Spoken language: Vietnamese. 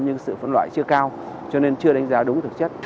nhưng sự phân loại chưa cao cho nên chưa đánh giá đúng thực chất